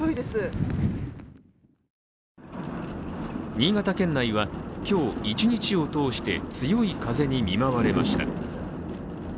新潟県内は今日、一日を通して強い風に見舞われました。